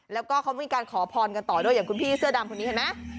แล้วก็เขามีการขอพรกันต่อด้วยอย่างคุณพี่เสื้อดำคนนี้เห็นไหม